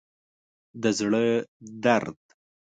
د زړه درد